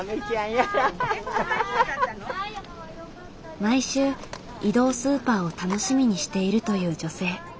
毎週移動スーパーを楽しみにしているという女性。